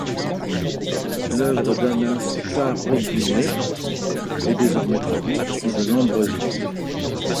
L’œuvre d’Anna Starobinets est désormais traduite en de nombreuses langues.